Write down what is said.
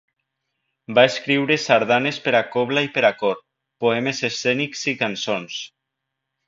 Va escriure sardanes per a cobla i per a cor, poemes escènics i cançons.